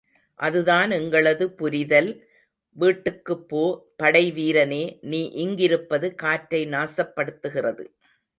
அதுதான் எங்களது புரிதல் வீட்டுக்குப் போ படை வீரனே நீ இங்கிருப்பது காற்றை நாசப்படுத்துகிறது.